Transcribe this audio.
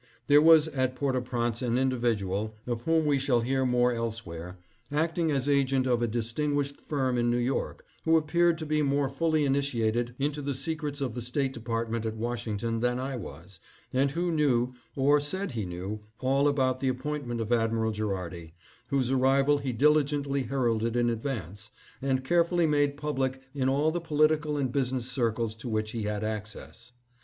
There was at Port au Prince an individual, of whom we shall hear more else where, acting as agent of a distinguished firm in New York, who appeared to be more fully initiated into the secrets of the State Department at Washington than I was, and who knew, or said he knew, all about the ap pointment of Admiral Gherardi, whose arrival he dili gently heralded in advance, and carefully made public in all the political and business circles to which he had access.